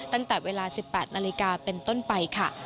ตั้งแต่เวลา๑๘นาฬิกาเป็นต้นไปค่ะ